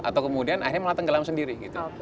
atau kemudian akhirnya malah tenggelam sendiri gitu